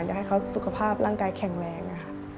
อยากให้เขาสุขภาพร่างกายแข็งแรง